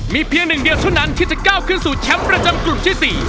มีเพียงหนึ่งเดียวเท่านั้นที่จะก้าวขึ้นสู่แชมป์ประจำกลุ่มที่๔